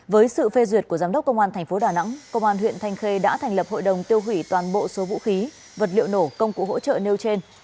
với sự phê duyệt của giám đốc công an tp đà nẵng công an huyện thanh khê đã thành lập hội đồng tiêu hủy toàn bộ số vũ khí vật liệu nổ công cụ hỗ trợ nêu trên